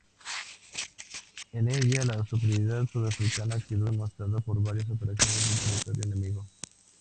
En ella la superioridad sudafricana quedó demostrada por varias operaciones en territorio enemigo.